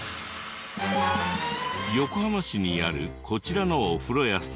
横浜市にあるこちらのお風呂屋さん。